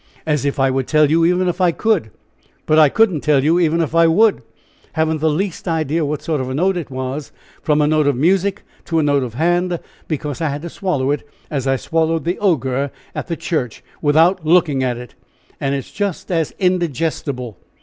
"As if I would tell you even if I could. But I couldn't tell you even if I would. Haven't the least idea what sort of a note it was, from a note of music to a 'note of hand,' because I had to swallow it as I swallowed the Ogre at the church without looking at it. And it is just as indigestible!